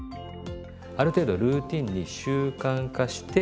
ある程度ルーティンに習慣化して。